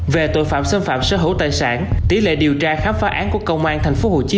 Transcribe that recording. về tội phạm xâm phạm sở hữu tài sản tỷ lệ điều tra khám phá án của công an thành phố hồ chí